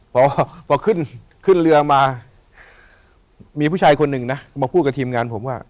พอพอขึ้นขึ้นเรือมามีผู้ชายคนหนึ่งนะมาพูดกับทีมงานผมว่า